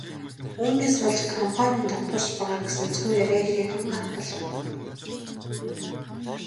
Үүнээс болж компани нь дампуурч байгаа гэсэн цуу яриа ихээхэн гарах болов.